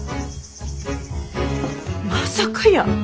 まさかやー。